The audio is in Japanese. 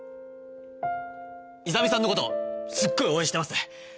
イザミさんのことすっごい応援してます！